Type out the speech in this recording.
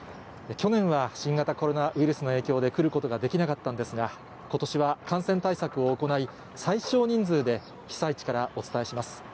去年は新型コロナウイルスの影響で来ることができなかったんですが、ことしは感染対策を行い、最少人数で被災地からお伝えします。